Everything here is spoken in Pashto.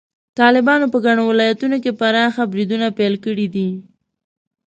طالبانو په ګڼو ولایتونو کې پراخ بریدونه پیل کړي دي.